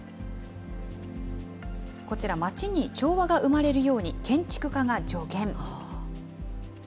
こちら、町に調和が生まれるように建築家が助言。